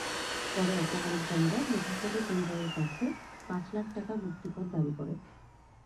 পরে অপহরণকারীরা মুঠোফোনে পরিবারের কাছে পাঁচ লাখ টাকা মুক্তিপণ দাবি করে।